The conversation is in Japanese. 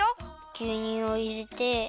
ぎゅうにゅうをいれて。